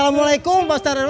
asalamalaikum pak ustad rw